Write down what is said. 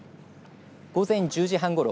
午前１０時半ごろ